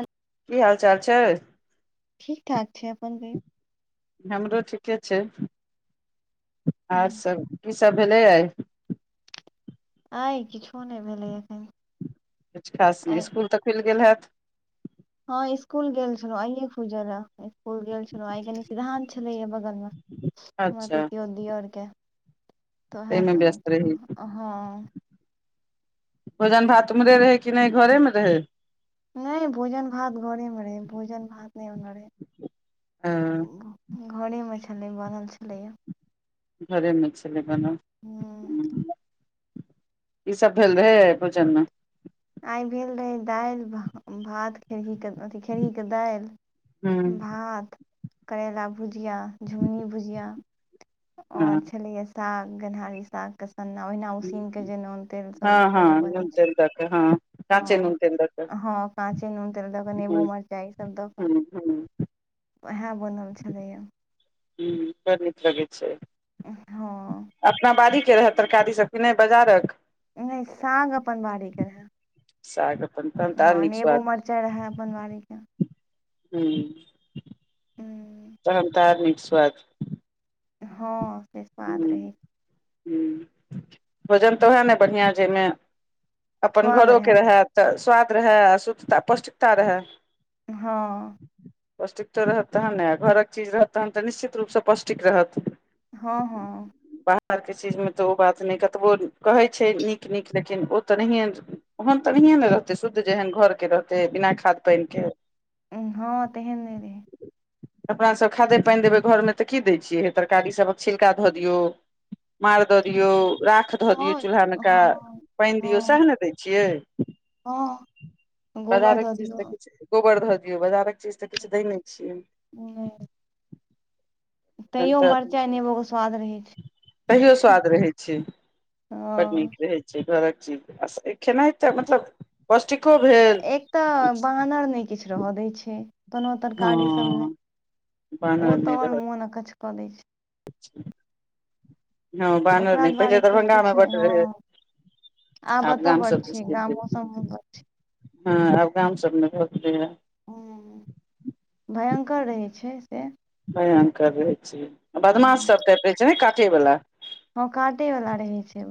[inaudible] की हाल चाल छै ठीक ठाक छै अपन कहयै हमरो ठीके छै [inaudible] आर हूँ, सब की सब भेलै आइ आइ किछो नहि भेलै एखन किछ खास नहि आइ स्कूल तऽ खुलि गेल हैत ह स्कूल गेल छलो आइ खुलये स्कूल गेल छलो आइ कनी सिद्धं लए अ बगल मे हमर अच्छा पीतिओत दिअर के तऽ उएह ताहिमे व्यस्त समझलौ रही अ हँ भोजन भात उम्रे रहै कि नय घरेमे रहै नय भोजन भात घरेमे रहे भोजन भात नहि रहे ह घरे मे छलै बनल छलैया हरी मछली बनाउ हूँ [unintelligible] की सब भेल रहे है भोजन मे आइ भेल रहै दालि भ भात खेरहीके अथि खेरहीके दालि हूँ भात करैला भुजिया झुगनी भुजिया आओर छलियए साग गन्हारी साग सन्ना ओहिना उसिनके जे नून तेल सब हँ दऽ हँ कऽ हँ जे बनै नून छै तेल दऽ कऽ हँ हँ काँचे नून तेल दऽ कऽ हँ काँचे नून तेल दऽ कऽ नेबू हूँ मरचाइ ईसभ दऽ कऽ हूँ [inaudible] उहै बनल छलैय ह बड़ नीक लगै छै हँ अपना बाड़ी के रहै तरकारी सब किनै बाजारक नय साग अपन बाड़ी के साग अपन तहन तऽ रहै आर नीक नेबो स्वाद मर चाइ रहै अपन बाड़ीक के हं तहन तार्मिक स्वाद [unintelligible] हँ से स्वाद हूँ रहै छै हूँ भोजन तऽ ओएह ने बढ़िआँ जइमे अपन स्वाद घरोके रहै रहय तऽ स्वाद रहय शुद्धता पौष्टिकता रहै हँ पौष्टिक तो रहत ने घरक चीज रहतहन तऽ निश्चित रूपसँ पौष्टिक रहत हँ हँ बाहर के चीज मे तऽ ओ बात नहि कतबो कहै छै नीक नीक लेकिन ओ तऽ नहिए ओहन तऽनहिए ने रहते शुद्ध जेहन घर के रहतै बिना खाद पानि के हँ तेहन नइ रहै अपना सब खादे पानि देबै घरमे तऽ की दै छियै हे तरकारी सब छिलका ध दियौ मार दऽ दियौ राख धऽ दियऔ हँ चूल्हामेका हँ पानि दियौ हँ सएह न दै छियै हँ गोबर बाजारक दऽ चीज दियौ तऽ किछु गोबर धऽ दियौ बाजारक चीज तऽ किछ दै नइ छियै हं तखन तैयो तऽ मरचाइ नेबोके स्वाद रहै तैयो छै स्वाद रहै छै बड नीक ओ रहै घरक चीज खेनाइ तऽ मतलब पौष्टिको भेल किछ रोहै दय छै कोनो हँ तरकारी सब नहि बानर ओ नहि तओर रहल मन कॉलै छय हँ बानर ओकरा नइ पहिले दुआरे दरभंगा मे किछु नहि बड हँ रहय आब एतऽ गाम बड सब छै गामो सबमे बड हँ आब गाम सबमे भ गेलैय ह हं भयंकर रहै छै से भयंकर रहै छी बदमास हूँ सभ टाइप रहै छै ने काटयवला हं काटे वला रहै छै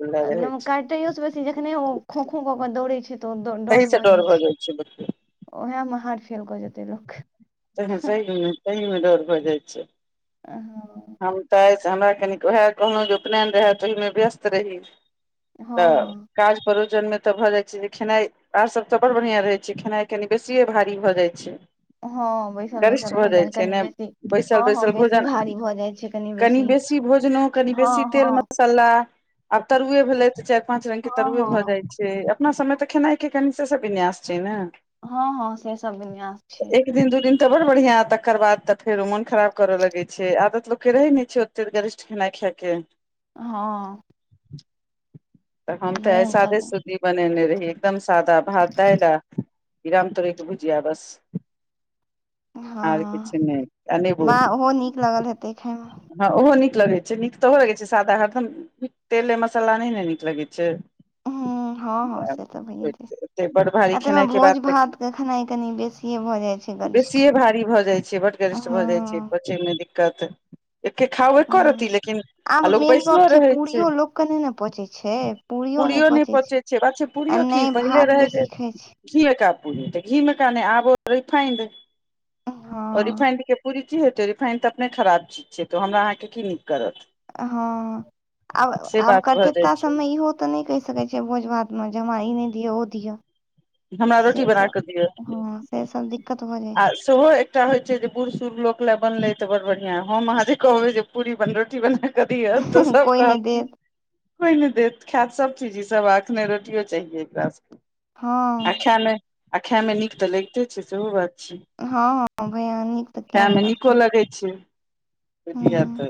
वाला रहै छै काटैयो सँ बेसी जखने ओ खो खो के दौड़े छै तऽ तहीसँ डर भऽ जाइ छै, लोकऽ ओहए मे हार्ट फेल क जेतै लोक के तऽ सही सही मे डर भऽ जाइ छै ओ। हम तऽ हमरा कनिक वएह कहलहुं जे उपनयन रहय त तहिमे व्यस्त रही हँ तऽ हँ काज परोजन मे तऽ भऽ जाइ छै, जे खेनाइ आर सभ तऽ बड़ बढ़िआँ रहै छै खेनाइ कनि बेसिए भारी भऽ जाइ छै। हँ, बैसल गरिष्ठ बैसल, भऽ जाइ भोजन छै कनि ने बेसी बैसल हँ, हँ, बैसल बेसी भोजन भारी भऽ जाइ छै कनि। कनि बेसी भोजनो, कनि हँ बेसी तेल हँ मसलऽ आब तरुए भेलै तऽ चारि पांच रंग के हँ तरुए भऽ हँ जाय छै। से अपना सभमे तऽ खेनाइ के कनि से सभ विन्यास छै ने हँ हँ से सभ विन्यास छै। तऽ एक दिन दू दिन तऽ बड़ बढ़िया तकर बाद तऽ फेरो मन खराब करऽ लगै छै आदत लोक के तऽ रहै नइ छै, ओते गरिष्ठ खेनाइ खायके हँ। हम तऽ आइ सादे भयंकर सुदी बनेने रहिए एकदम सादा भात दालि आ ई रामतोरइ के भुजिया बस आर किछु नहि आ नेबो निक लागल हेतै खाय मे हँ, ओहो निक लगै छै, निक तऽ ओहो लगै छै सादा हरदम तेले मसला नइ ने निक लगै छै हूँ हँ हँ से तऽ भइए जाइ ओते बड़ भारी खेनाई के बाद तऽ खेनाई कनी बेसिये भऽ जाइ छै गरिष्ठ बेसिए भारी भऽ जाइ छै, बड़ हँ गरिष्ठ भऽ जाइ छै पचयमे दिक्कत एके खाउ, एके रती हँ लेकिन। आब आ लोक मेन बैसलो गप छै, रहै पूरियो लोक के नहि ने पचै छै, पूरीयो नहि पूरियो ना पचैइ छै। पचै बात छै आ पुरियो कि नहि पहिले भात रहै छै। बेसी खाइ घी कऽ पूरी तऽ घी मे कऽ नहि आब रिफाइंड हँ रिफाइंड के पूरी कि हेतै रिफाइन तऽ अपने खराब चीज छै, तऽ हमरा अहाँकेँ कि निक करत हँ आब से आब बात भऽ कते जाइ काज छै सभमे इहो तऽ नहि कहि सकै छियै भोज भातमे जे हमरा ई नहि दिआ ओ दिआ हमरा रोटी से बना सभ कऽ दियौ हँ से सभ दिक्कत भऽ जाइ आ छै सेहो एकटा होय छै, जे बुढ़ सुढ लोक ले बनले ते बड़ बढ़िआ हम आहाँ जे कहबै जे पूरी बन रोटी बने कि तऽ छै सभ कोइ नहि कहाती देत कोइ नहि दे खायत सभ चीज सभ आखने रोटियो चाहिए एकासभ आ हँ खाईमे आ खाईमे निक तऽ लगिते छै सेहो बात छै। हँ, हँ, भै अन। खायमे निको लगै छै। हूँ तऽ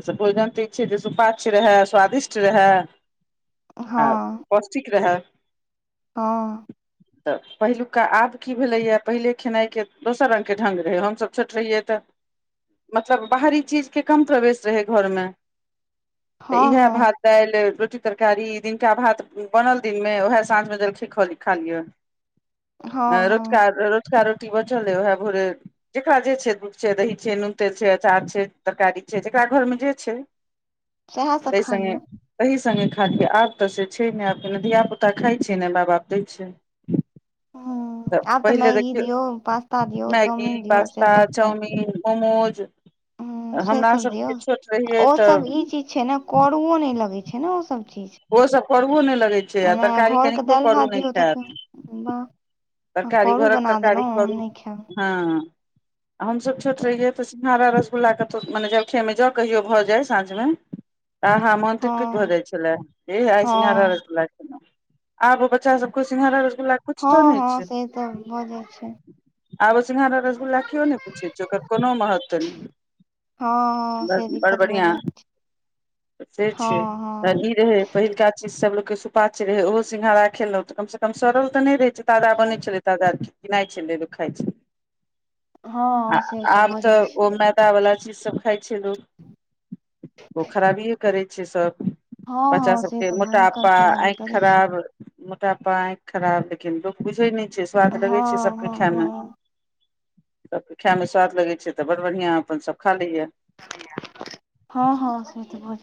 ओसँ भोजन ठीक छै, तऽ सुपाछ रहए स्वादिष्ट रहए। आ हँ पौष्टिक रहा। हँ। [inaudible] तऽ पहिलु का आब की भेलैए पहिले खेनाइ के दोसर रंग ढङ्ग रहै हमसभ छोट रहियै तऽ मतलब बाहरी चीज के कम प्रवेश रहै घरमे तऽ हँ इएह बात। हँ दाइल रोटी तरकारी दिनका भात बनल दिन मे उएह साँझ मे जलखी खा लियअ हँ अ रउतका हँ रउ रतका रोटी बचल अय ओहए भोरे जेकरा जे छै दुध छै दही छै नुन तेल छै अचार छै तरकारी छै जेकरा घर में जे छै सएह सब तइ खा संगे लिअ तहि संगे खाति आब तऽ से छै ने आब धिया पुता खाई छै ने माय बाप दै छै हूँ तऽ आब पहिले मैगी देखयौ दियौ पास्ता दियौ मैगी चाउमिन दियौ से पास्ता सब खायब चाउमीन मोमोज हूँ से हमरा सब दियौ सबके छोट रहियै ओ सब तऽ ई चीज छै ने करुओ नइ लगै छै ने ओसब चीज ओहोसब करुओ नय लगै छै आ नहि तरकारी घरके कनिको दालि करू भात नय दियौ तऽ खैत वाह करू बना तरकारी देलौह हम करू नय खैब हँ हम सब छोट रहीए तऽ हरा रसगुल्लाके त मने जलखेमे ज कहियो भऽ जाय साँझमे आहा मोन तिरपित भऽ हँ जाइ छलै हे आइ सिंघारा हँ रसगुल्ला आब बच्चा सबक सिंघारा रसगुल्ला कुछ हँ तो नहि हँ छै से तऽ भऽ जाइ छै आब सिंघारा रसगुल्ला किओ ने पुछै छै ओकर कोनो महत्व नय हँ हँ से दिक्कत भऽ जाइ छै से छीय त [unintelligible] रहे पहिलका चीज सब लोग के सुपाच रहे ओहो सिंघारा खेलौ तऽ कम से कम सड़ल तऽ नय रहे छै ताजा बनै छलै ताजा किनाइ छलै खाइ छलै हँ से आब भऽ जाइ तऽ छै ओमे [unintelligible] मैदा वाला चीज सब खाइ छै लोग ओ खराबियए करै छै सब हँ बच्चा हँ से सबके तऽ भयंकर मोटापा खराबी आँख करै छै खराब मोटा पा आँख खराब लेकिन लोक बुझै नय छै स्वाद लगै छै हँ सबके हँ खाय मे हँ [unintelligible] सबके खे मे स्वाद लगै छै तऽ बड बढ़िआँ अपन सब खा लैए हँ हँ से त भ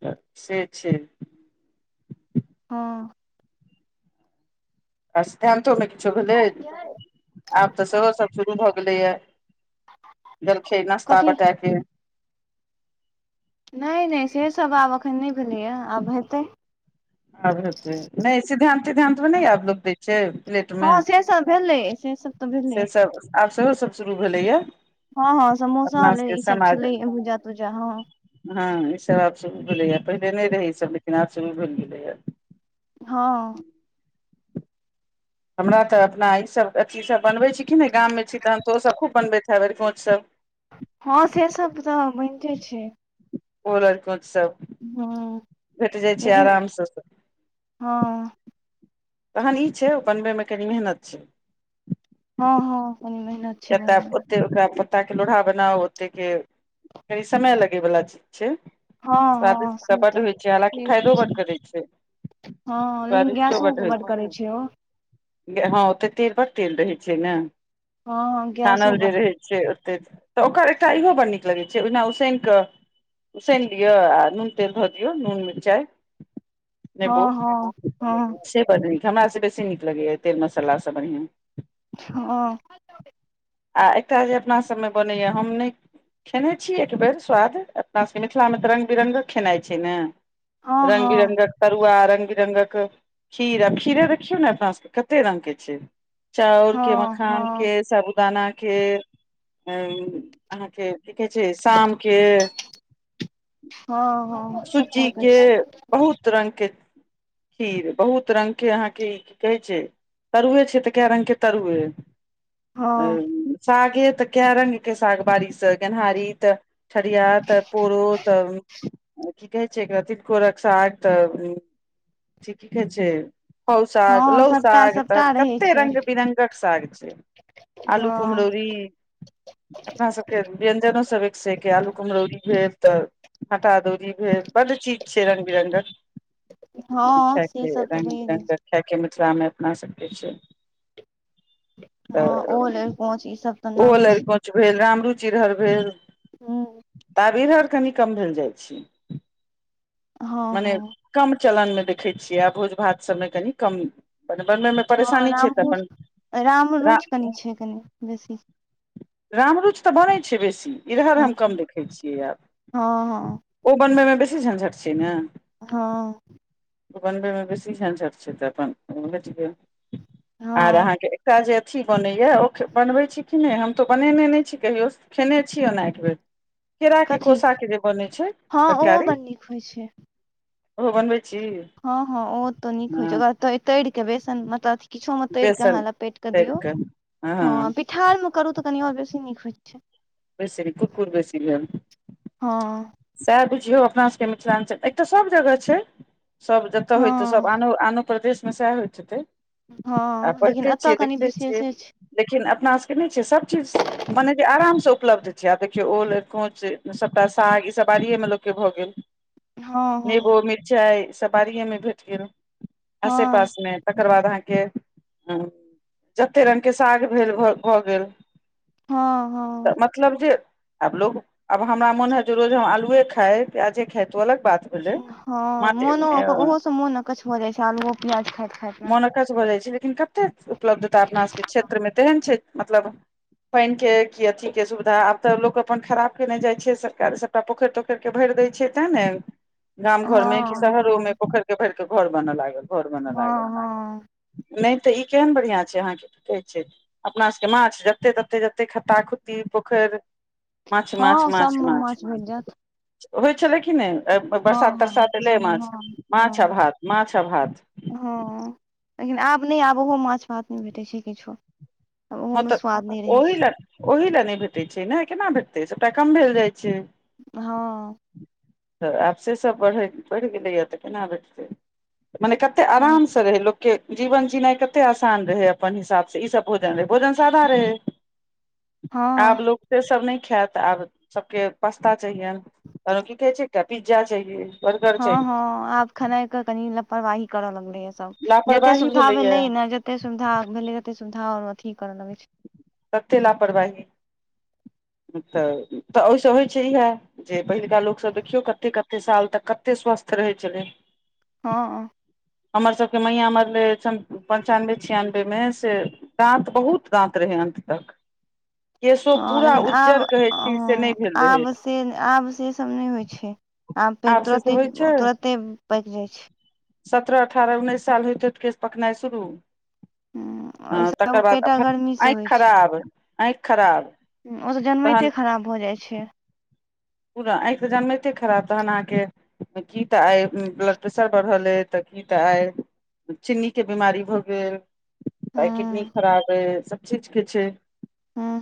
त से छै हँ आ सिद्धान्तो मे किछो भेलै आब तऽ सेहो सब शुरू भऽ गेलैया जलखे नाश्ता कथी बटा के नहि नहि से सब आब एखन नहि भेलैए आब हेतै आब हेतै नहि सिद्धांत तिद्धांत मे नय आब लोक दै छै प्लेटमे हँ से सब भेलै से सबत से भेलैए सब आब सेहो सब शुरू भेलैए हँ हँ समोसा है ई सब छलै भूजा तूजा हँ हँ इसब आब शुरू भेलैए पहिले नइ रहै ईसब लेकिन आब शुरू भेल गेलैए हँ हमरा तऽ अपना ईसब अथीसब बनबै छी कि नइ गाममे छी तहन तऽ ओसब खूब बनबैत हैब अरिकोंचसब हँं से सब तऽ बनिते छै ओल अरिकोंच सब हँ भेट जाइ छै लेकिन आराम से हँ तहन ई छै ओ बनबैमे कनि मेहनत छै हँ हँ कनी मेहनत छै बनबै मे कतेक [unintelligible] प्ता के लोढ़ा बनाउ ओते के कनी समय लगे बला चीज छै हँ हँ स्वादिष्टता से तऽ बड होइ छै से हालाँकि तऽ फायदो छै बड करै छै हँ लेकिन स्वादिष्टो गैसो बड्ड होइ बड करै छै ओ हँ ओतऽ तेल बड़ तेल रहै छै न हँ गैसो छानल जे बड रहै छै ओते तऽ ओकर एकटा इहो बड़ नीक लगै छै ओहिना उसैन क उसनि लियअ आ नून तेल धऽ दियौ नून मिरचाइ हँ नेबो हँ हँ से बड़ नीक हमरा से बेसी नीक लगैया तेल मसाला सब बढ़िआँ हँ आ एकटा जे अपनासबमें बनैए हम नइ खेने छी एक बेर स्वाद अपना सबके मिथिलामे तऽ रङ्ग बिरङ्गक खेनाइ छै ने हँ रंग हँ बिरंगक तरुआ रंग बिरंगक खीर खीरे देखियौ ने अपना सबके कते रंग के छै चाउर के हँ मखान के हँ साबुदाना के उ अहाँके देखैछियै शामके हँ हँ सबटाके छै तुरंग के खीर बहुत रंग के अहाँके ई की कहै छै तरुए छै तऽ कए रंग के तरुए अ हँ सागे तऽ कै रंगके साग बारि से गेनहारी तऽ ठरिया तऽ पोरो तऽ की कहै छै एकरा तिलकोरक साग तऽ त कहै छै हउ साग हँ लौ सबटा साग त सबटा रहै कते छै रंग बिरंगक साग छै आलू हँ कुम्हरौरी अपना सबके व्यंजनो सब एक से एक यए आलू कुम्हरौरी भेल तऽ भांटा अदौरी भेल बड्ड चीज छै रंग बिरंगक हँ से खायके सब तऽ रंग भइए जाइ बिरंगक खायके मिथिलामे अपना सबके छै हँ ओल अरिकोंच ई सब तऽ नामी ओल छै अरिकोंच भेल रामरूचि धर भेल उं आब इम्हर कनी कम भेल जाइ छै हँ मने हँ कम चलनमे देखै छियै आ भोज भात सबमे कनि कम बनबैमे हँ राम रु रा रामरुचि कनि छै कनि बेसी रामरुचि तऽ बनै छै बेसी इधर हँ हम कम देखै छियै आब हँ ओ बनबैमे बेसी झंझट छै ने हँ बनबैमे बेसी झंझट छै त अपन भेट गेल आर हँ अहाँके एकरा जे अथी बनैया ओ बनबै छी कि नइ हम तऽ बनेने नइ छी कहियो खेने छियै ओना एक बेर केरा के कथी कोसा के जे बनै छै हँ ओहो तरकारी बड़ नीक होइ छै ओहो बनबै छी हँ हँं ओ तो नीक होइ छै हँ ओकरा तर के बेसन मतलब अ किछो मे तरिकऽ बेसन अहाँ लपेट कऽ दियौ हँ ठाढ़ मे करू तऽ कनि आओर बेसी नीक होइत छै [inaudible] हँ सएह बुझियौ अपना सभके मिथिलाञ्चल एकटा सभ जगह छै सभ जतय होइततै सभ हँ आनो आनो प्रदेशमे सएह होइत हेतै आ हँ लेकिन पढ़ते एतय छियै कनि देखते छियै विशेषे छै लेकिन अपना सबके नहि छै सब चीज माने कि आराम से उपलब्ध छै आब देखियौ ओल अरिकोंच सबटा साग ई सब बाड़ियए मे लोकके भऽ गेल हँ नेबो हँ मिरचाई सब बारिए मे भेट गेल आसे हँ पासमे तकर बाद अहाँके जते रंग के साग भेल भऽ गेल हा हा तऽ मतलब जे आब लोग आब हमरा मोन हेतै जे रोज हम आलुए खाए प्याजे खाए तो अलग बात हेतै हँ मोनो ओहो से मोन अकछ भऽ जाय छै आलुओ प्याज खा मोन अकछ भऽ जाइ छै लेकिन कतेक उपलब्धता अपना सभके क्षेत्रमे तेहन छै मतलब पानि के की अथी के सुविधा आब तऽ लोक अपन खराब केने जाय छै सरकार सब सबटा पोखरि तोखरि के भरि दय छै तें ने गाम घर में क हँ शहरो मे हँ पोखरि भर के घर बनऽ लागल घर बनऽ हँ लागल हँ नहि तऽ ई केहन बढ़िआं छै अहाँके कहै छै अपना सबके माछ जते तते जते खत्ता खुती पोखरि माछ माछ हँ माछ सबमे माछ भेट जायत होइ छलै क ने हँ बरसात हँ तरसात एलै हँ हँ माछ माछ हँ आ भात माछ आ भात हँ लेकिन आब नहि आब ओहो माछ भात नहि भेटै छै किछो ओहो हँ मे तऽ स्वाद नहि रहै ओहि ल छै ओहि लए नहि भेटैत छै ने केना भेटतै सभटा कम भेल जाइत छै हँ तऽ आब से सब बढ़ि गेलैएा तऽ केना भेटतै मने कते हँ आरामसँ रहै लोक के जीवन जिनाय कते आसान रहै अपन हिसाब स ई सब भोजन रहै भोजन सादा रहै [unintelligible] हँ आब लोक से सब नहि खायत आब सभके पास्ता चाहियनि तननो की कहै छै तऽ पिज्जा चाहिए हँ हँ आब खेनाइके कनि लापरवाही करऽ लगलैए सभ जते लापरवाही सुविधा भेलैया भेलै ने एते सुविधा भेलै कते सुविधा अथी करऽ लगैत छै तते लापरवाही तऽ तऽ ओहिसँ होइ छै इएह जे पहिलुका लोकसभ देखियौ कते कते साल तक कते स्वस्थ रहै छलै हँ हमर सबके मैया मरले पञ्चानबे छियानबेमे से दाँत बहुत दाँत रहै अन्त तक केशो हँ पूरा लेकिन आब उज्जर कहै छी से हँ नहि भेल रहै आब से आब से सब नहि होइ छै आब पेर से तुरते सब होइ छै तुरते पाकि जाय छै सत्रह अठारह उन्नैस साल होयइते तऽ केस पकनाइ शुरू हूँ ओहि हँ तकर सब बाद पेटा गर्मी से आँखि होइ छै खराब आँखि खराब ओ त तहन जनमैते खराब भऽ जाइत छै पूरा आँखि तऽ जनमिते खराब तहन अहाँके की तऽ आय ब्लड प्रेशर बढ़ल अइ तऽ की तऽ आइ चीन्नीके बिमारी भऽ गेल आइ किडनी हूँ खराब अ सभ चीजके छै हँ